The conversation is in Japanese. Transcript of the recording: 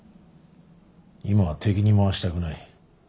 今は敵に回したくない。